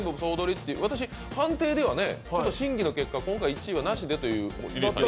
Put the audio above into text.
判定では審議の結果、今回１位はなしでという。